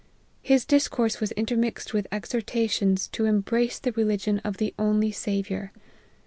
His discourse was intermixed with exhor tations to embrace the religion of the only Saviour.